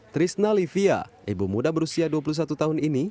trisna livia ibu muda berusia dua puluh satu tahun ini